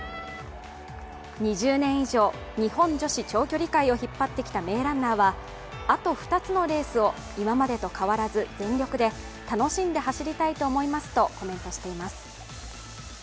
２０年以上、日本女子長距離界を引っ張ってきた名ランナーはあと２つのレースを今までと変わらず全力で楽しんで走りたいと思いますとコメントしています。